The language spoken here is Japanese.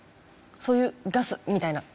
そういうガスみたいな。